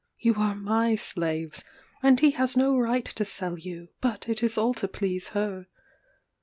You are my slaves, and he has no right to sell you; but it is all to please her."